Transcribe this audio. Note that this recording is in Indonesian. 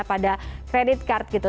pada kredit kartu gitu